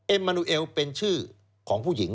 มานูเอลเป็นชื่อของผู้หญิง